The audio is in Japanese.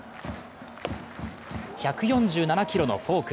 １４７キロのフォーク。